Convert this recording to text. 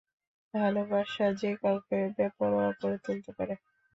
ভালোবাসা যে কাউকে বেপরোয়া করে তুলতে পারে।